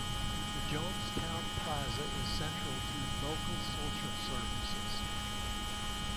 The Jonestown Plaza is central to local social services.